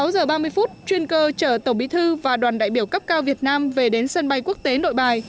sáu giờ ba mươi phút chuyên cơ chở tổng bí thư và đoàn đại biểu cấp cao việt nam về đến sân bay quốc tế nội bài